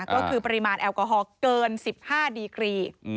ก็คือปริมาณแอลกอฮอลเกิน๑๕ดีกรี